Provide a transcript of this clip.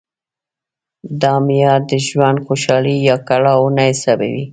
دا معیار د ژوند خوشالي یا کړاو نه حسابوي.